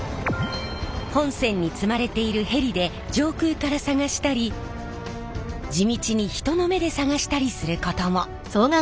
本船に積まれているヘリで上空から探したり地道に人の目で探したりすることも。